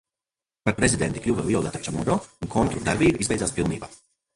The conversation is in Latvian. Par prezidenti kļuva Violeta Čamorro un kontru darbība izbeidzās pilnībā.